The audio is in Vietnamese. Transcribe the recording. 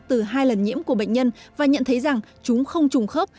từ hai lần nhiễm của bệnh nhân và nhận thấy rằng chúng không trùng khớp